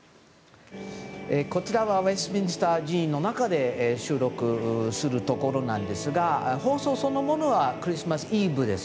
こちらはウェストミンスター寺院の中で収録するところなんですが放送そのものはクリスマスイブです。